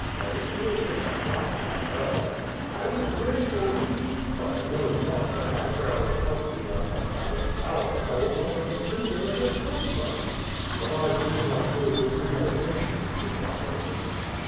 There is no greater crime than murder I will pray for thee, l)ut I know not that my prayer will help tlioe unless thou wilt vow that thou wilt not raise a finger against anybody." liut I did not kill with premeditation," replied Ursus.